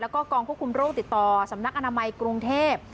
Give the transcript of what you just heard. แล้วก็กองควบคุมโรคติดต่อสำนักอนามัยกรุงเทพ